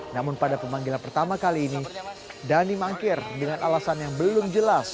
namun pada pemanggilan pertama kali ini dhani mangkir dengan alasan yang belum jelas